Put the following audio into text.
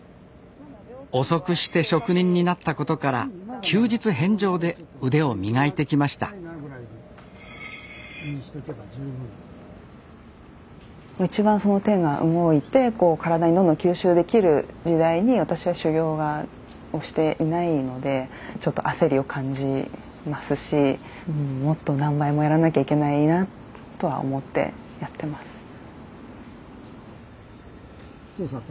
遅くして職人になったことから休日返上で腕を磨いてきました一番手が動いて体にどんどん吸収できる時代に私は修業をしていないのでちょっと焦りを感じますしもっと何倍もやらなきゃいけないなとは思ってやってます。